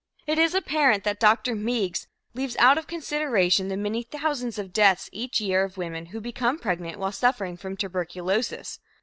It is apparent that Dr. Meigs leaves out of consideration the many thousands of deaths each year of women who become pregnant while suffering from tuberculosis.